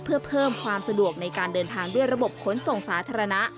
เพื่อเพิ่มความสะดวกในการเดินทางด้วยระบบขนส่งสาธารณะ